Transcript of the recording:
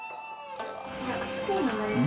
こちらお造りになります。